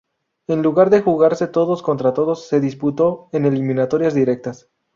En lugar de jugarse todos contra todos, se disputó en eliminatorias directas.